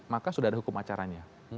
maka sudah ada hukum acaranya